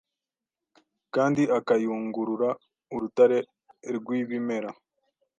kandi akayungurura Urutare rwibimera